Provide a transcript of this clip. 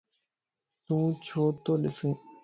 تون ڇو تو ڏسي؟